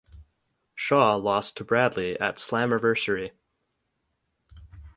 Shaw lost to Bradley at Slammiversary.